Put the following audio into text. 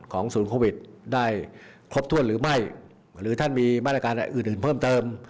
ศูนย์โควิดได้ครบถ้วนหรือไม่หรือท่านมีมาตรการอื่นอื่นเพิ่มเติม